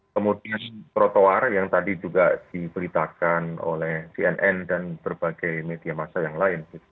kemudian trotoar yang tadi juga diberitakan oleh cnn dan berbagai media masa yang lain